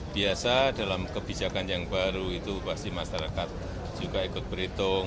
biasa dalam kebijakan yang baru itu pasti masyarakat juga ikut berhitung